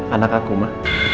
anak aku ma